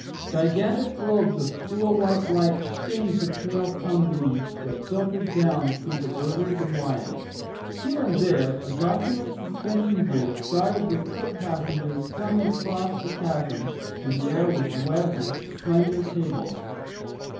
Gigantic globes of cool white light shamed the pale sunbeams that filtered down through the girders and wires. Here and there a gossamer suspension bridge dotted with foot passengers flung across the chasm and the air was webbed with slender cables.